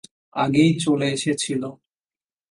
আগেই চলে এসেছিস।